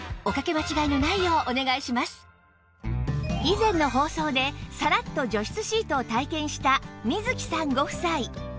以前の放送でサラッと除湿シートを体験した水木さんご夫妻